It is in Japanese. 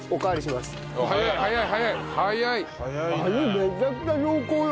めちゃくちゃ濃厚よ。